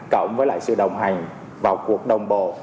cộng với lại sự đồng hành vào cuộc đồng bộ